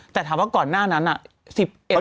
แต่ถามว่าก่อนหน้านั้นนะเขาจะยังไปออกไปไหนเลยใช่ครับ